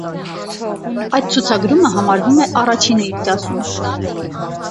Այդ ցուցագրումը համարվում է առաջինը իր դասում։